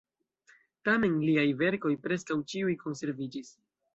Tamen liaj verkoj preskaŭ ĉiuj konserviĝis.